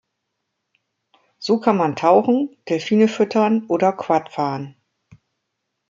So kann man tauchen, Delfine füttern oder Quad fahren.